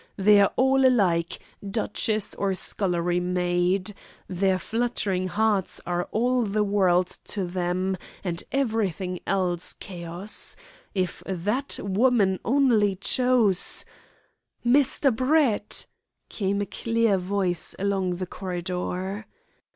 They are all alike duchess or scullery maid. Their fluttering hearts are all the world to them, and everything else chaos. If that woman only chose " "Mr. Brett!" came a clear voice along the corridor.